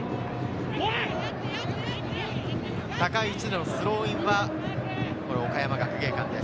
高い位置でのスローインは、岡山学芸館です。